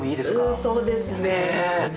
ああ、そうですね。